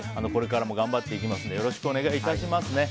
これからも頑張っていきますのでよろしくお願い致します。